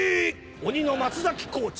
鬼の松崎コーチ。